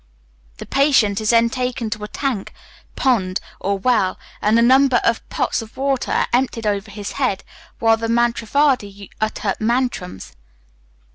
The patient is then taken to a tank (pond) or well, and a number of pots of water are emptied over his head, while the mantravadi utters mantrams.